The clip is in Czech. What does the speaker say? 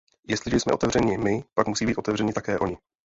Jestliže jsme otevřeni my, pak musí být otevřeni také oni.